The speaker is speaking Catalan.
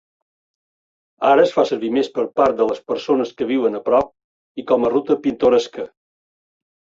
Ara es fa servir més per part de les persones que viuen a prop i com a ruta pintoresca.